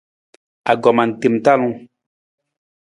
Anggoma tem talung.